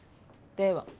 では。